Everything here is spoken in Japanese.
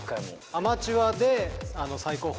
アマチュアで最高峰っていう。